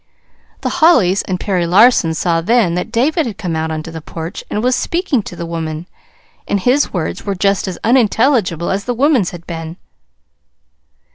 The Hollys and Perry Larson saw then that David had come out onto the porch and was speaking to the woman and his words were just as unintelligible as the woman's had been.